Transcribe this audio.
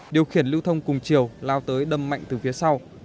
điều khiển lưu thông cùng chiều lao tới đâm mạnh từ phía sau